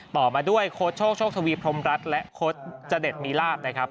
ต่อมาด้วยโค้ชโชคโชคทวีพรมรัฐและโค้ดจเด็ดมีลาบนะครับ